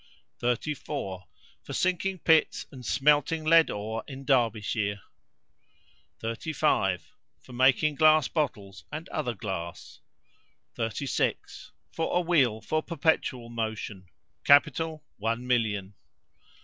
34. For sinking pits and smelting lead ore in Derbyshire. 35. For making glass bottles and other glass. 36. For a wheel for perpetual motion. Capital, one million.